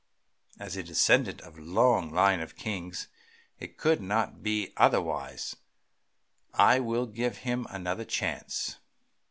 As a descendant of a long line of kings it could not be otherwise. I will give him another chance.